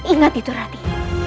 ingat itu rati